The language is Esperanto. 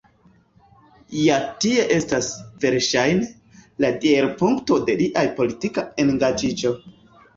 Ja tie estas, verŝajne, la deirpunkto de lia politika engaĝiĝo.